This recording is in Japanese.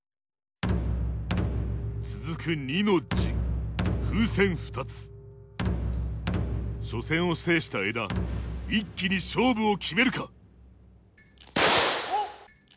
続く初戦を制した江田一気に勝負を決めるか。